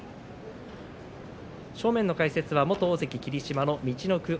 正面の解説は元大関霧島の陸奥